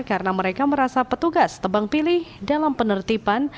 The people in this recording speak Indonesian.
karena mereka merasa petugas tebang pilih dalam penertiban